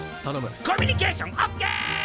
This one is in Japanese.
コミュニケーションオッケー！